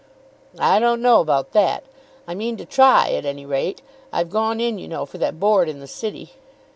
"I don't know about that. I mean to try at any rate. I've gone in you know for that Board in the city."